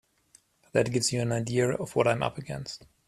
That gives you an idea of what I'm up against.